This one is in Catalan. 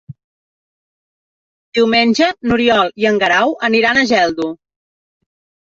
Diumenge n'Oriol i en Guerau aniran a Geldo.